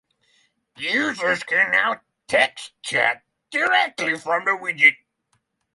Users can now text-chat directly from the widget.